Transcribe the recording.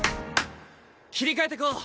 切り替えていこう！